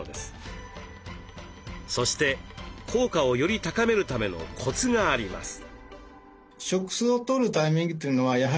そして効果をより高めるためのコツがあります。